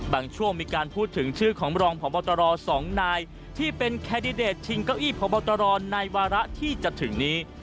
ช่วงมีการพูดถึงชื่อของรองพบตร๒นายที่เป็นแคนดิเดตชิงเก้าอี้พบตรในวาระที่จะถึงนี้